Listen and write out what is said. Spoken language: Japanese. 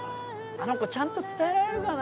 あの子ちゃんと伝えられるかな？